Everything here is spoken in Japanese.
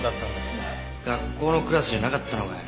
学校のクラスじゃなかったのかよ。